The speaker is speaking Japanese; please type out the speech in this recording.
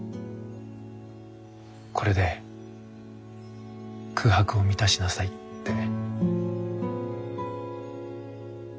これで空白を満たしなさいって。